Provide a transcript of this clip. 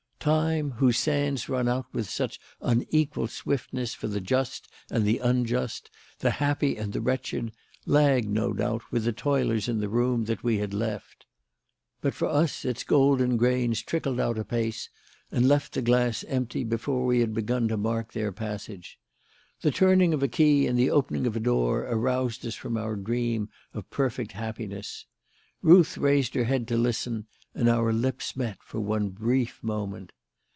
Time, whose sands run out with such unequal swiftness for the just and the unjust, the happy and the wretched, lagged, no doubt, with the toilers in the room that we had left. But for us its golden grains trickled out apace and left the glass empty before we had begun to mark their passage. The turning of a key and the opening of a door aroused us from our dream of perfect happiness. Ruth raised her head to listen, and our lips met for one brief moment.